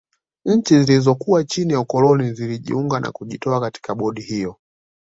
Nchi zilizokuwa chini ya ukoloni zilijiunga na kujitoa katika bodi hiyo